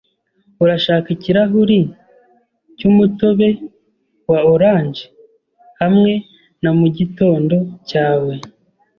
Urashaka ikirahuri cyumutobe wa orange hamwe na mugitondo cyawe?